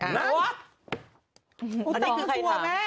อุตะโรกใครทำ